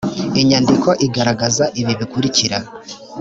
inyandiko igaragaza ibi bikurikira